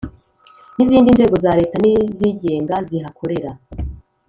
N izindi nzego za leta n izigenga zihakorera